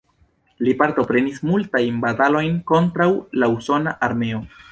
Li partoprenis multajn batalojn kontraŭ la usona armeo.